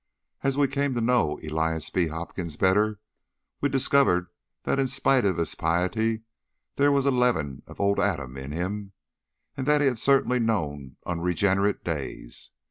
As we came to know Elias B. Hopkins better, we discovered that in spite of his piety there was a leaven of old Adam in him, and that he had certainly known unregenerate days.